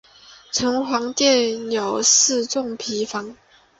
城隍庙有四重牌坊。